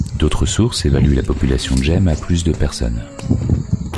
D'autres sources évaluent la population djem à plus de personnes.